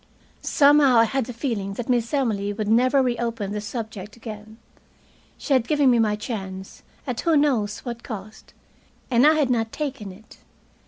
Somehow I had the feeling that Miss Emily would never reopen the subject again. She had given me my chance, at who knows what cost, and I had not taken it.